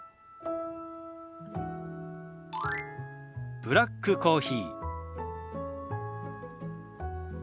「ブラックコーヒー」。